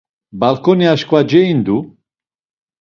Balǩoni aşǩva ceindu.